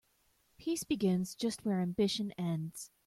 Peace begins just where ambition ends.